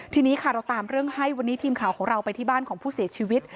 ทีนี้ค่ะเราตามเรื่องให้วันนี้ทีมข่าวของเราไปที่บ้านของผู้เสียชีวิต